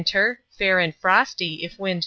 Fair and frosty if wind N.